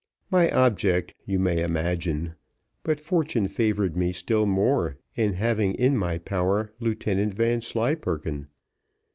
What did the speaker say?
My object you may imagine, but fortune favoured me still more, in having in my power Lieutenant Vanslyperken.